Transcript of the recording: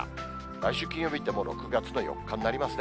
来週金曜日って、もう６月の４日になりますね。